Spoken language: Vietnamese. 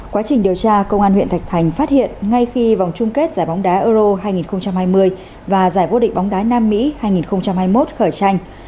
quá trình điều tra công an huyện thạch thành phát hiện ngay khi vòng chung kết giải bóng đá euro hai nghìn hai mươi và giải vô địch bóng đá nam mỹ hai nghìn hai mươi một khởi tranh